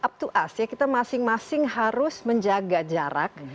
up to us ya kita masing masing harus menjaga jarak